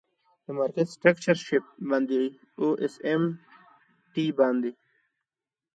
د مارکیټ سټرکچر شفټ باندی او آس آم ټی باندی.